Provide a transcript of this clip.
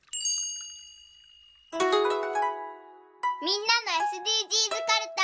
みんなのＳＤＧｓかるた。